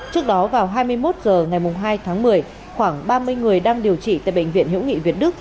trước đó vào hai mươi một h ngày hai tháng một mươi khoảng ba mươi người đang điều trị tại bệnh viện hữu nghị việt đức